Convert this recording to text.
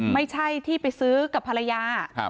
ไม่ใช่ที่ไปซื้อกับภรรยา